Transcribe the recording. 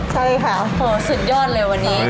ใช่ค่ะโหสุดยอดเลยวันนี้